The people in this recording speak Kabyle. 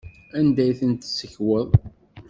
Anda ay ten-tessekweḍ?